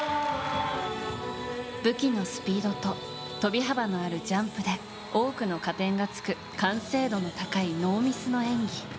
武器のスピードと跳び幅のあるジャンプで多くの加点がつく完成度の高いノーミスの演技。